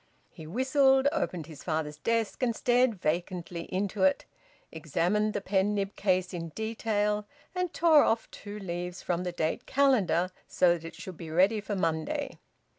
He whistled, opened his father's desk and stared vacantly into it, examined the pen nib case in detail, and tore off two leaves from the date calendar so that it should be ready for Monday.